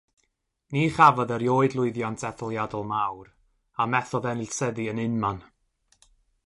Ni chafodd erioed lwyddiant etholiadol mawr, a methodd ennill seddi yn unman.